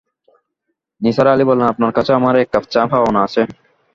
নিসার আলি বললেন, আপনার কাছে আমার এক কাপ চা পাওনা আছে।